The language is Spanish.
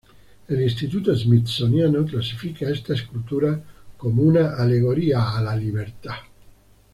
El Instituto Smithsoniano clasifica esta escultura como una alegoría a la libertad.